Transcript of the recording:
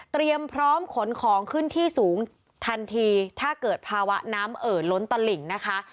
พร้อมขนของขึ้นที่สูงทันทีถ้าเกิดภาวะน้ำเอ่อล้นตลิ่งนะคะ